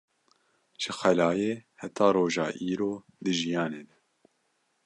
Ji xelayê heta roja îro di jiyanê de